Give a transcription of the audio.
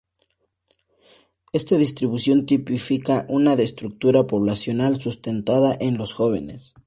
Esta distribución tipifica una estructura poblacional sustentada en los jóvenes.